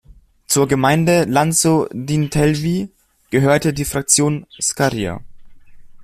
Zur Gemeinde Lanzo d’Intelvi gehörte die Fraktion Scaria.